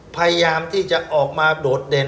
พยายามที่จะออกมาโดดเด่น